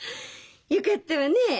よかったわねえ！